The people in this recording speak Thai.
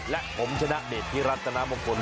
และอาร์มชนะเดชที่รัฐกณะมงคล